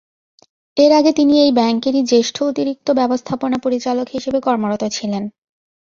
এর আগে তিনি এই ব্যাংকেরই জ্যেষ্ঠ অতিরিক্ত ব্যবস্থাপনা পরিচালক হিসেবে কর্মরত ছিলেন।